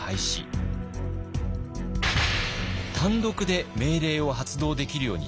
単独で命令を発動できるようにしました。